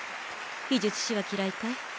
非術師は嫌いかい？